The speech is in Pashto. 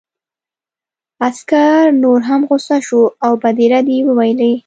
عسکر نور هم غوسه شو او بدې ردې یې وویلې